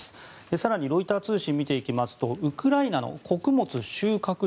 更にロイター通信を見ていきますとウクライナの穀物収穫量